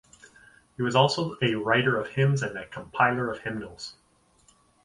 He was also a writer of hymns and a compiler of hymnals.